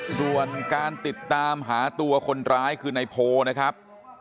ส่วนการติดตามหาตัวคนร้ายคือนายโพนะครับ